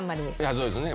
そうですね。